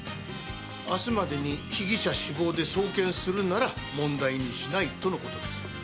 明日までに被疑者死亡で送検するなら問題にしないとのことです。